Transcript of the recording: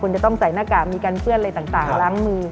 คุณจะต้องใส่หน้ากากมีการเปื้อนอะไรต่างล้างมือ